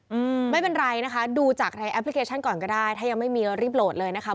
อืมไม่เป็นไรนะคะดูจากในแอปพลิเคชันก่อนก็ได้ถ้ายังไม่มีรีบโหลดเลยนะคะ